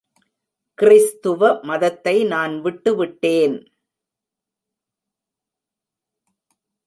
கிறிஸ்துவ மதத்தை நான் விட்டு விட்டேன்.